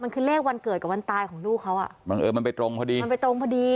มันคือเลขวันเกิดกับวันตายของลูกเขาอ่ะบังเอิญมันไปตรงพอดีมันไปตรงพอดี